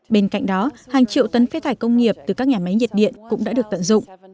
bên cạnh đó hàng triệu tấn phế thải công nghiệp từ các nhà máy nhiệt điện cũng đã được tận dụng